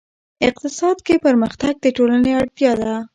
اقتصاد کې پرمختګ د ټولنې اړتیا ده.